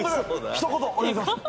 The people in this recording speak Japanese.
一言お願いします。